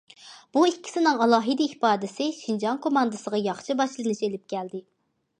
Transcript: بۇ ئىككىسىنىڭ ئالاھىدە ئىپادىسى شىنجاڭ كوماندىسىغا ياخشى باشلىنىش ئېلىپ كەلدى.